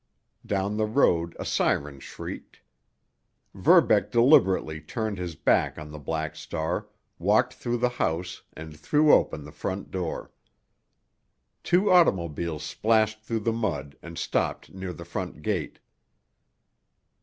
Down the road a siren shrieked. Verbeck deliberately turned his back on the Black Star, walked through the house and threw open the front door. Two automobiles splashed through the mud and stopped near the front gate.